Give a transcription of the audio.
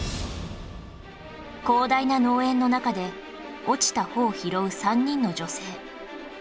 広大な農園の中で落ちた穂を拾う３人の女性